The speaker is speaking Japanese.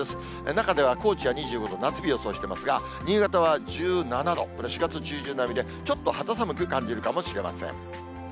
中では高知は２５度、夏日予想してますが、新潟は１７度、これ、４月中旬並みで、ちょっと肌寒く感じるかもしれません。